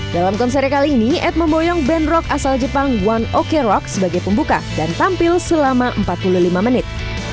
dalam konsernya kali ini ed memboyong band rock asal jepang one oke rock sebagai pembuka dan tampil selama empat puluh lima menit